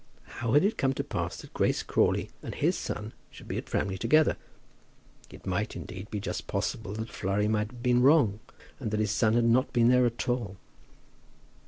How had it come to pass that Grace Crawley and his son should be at Framley together? It might, indeed, be just possible that Flurry might have been wrong, and that his son had not been there at all.